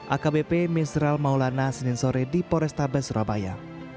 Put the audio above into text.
akbp misral maulana senin sore di porestabes surabaya